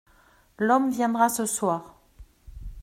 L’homme viendra ce soir.